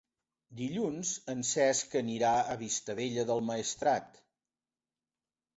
Dilluns en Cesc anirà a Vistabella del Maestrat.